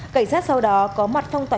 cảnh sát sau đó có mặt phong tỏa